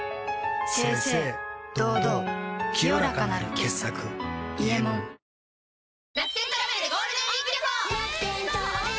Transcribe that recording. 清々堂々清らかなる傑作「伊右衛門」内村さん。